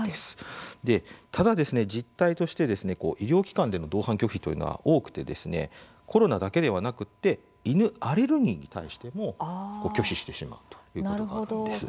ただ、実態として医療機関での同伴拒否というのは多くてコロナだけではなくて犬アレルギーに対しても拒否してしまうということがあるんです。